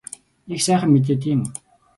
Их сайхан мэдээ тийм үү?